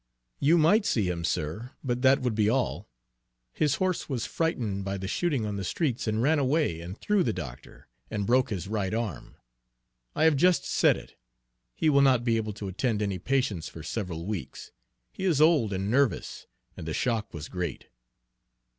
"You might see him, sir, but that would be all. His horse was frightened by the shooting on the streets, and ran away and threw the doctor, and broke his right arm. I have just set it; he will not be able to attend any patients for several weeks. He is old and nervous, and the shock was great."